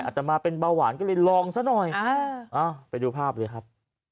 อาจจะมาเป็นเบาหวานก็เลยลองซะหน่อยไปดูภาพเลยครับ